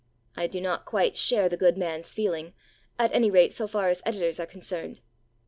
I do not quite share the good man's feeling, at any rate so far as editors are concerned.